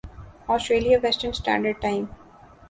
Australia Western Standard time